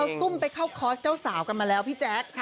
ซุ่มไปเข้าคอร์สเจ้าสาวกันมาแล้วพี่แจ๊ค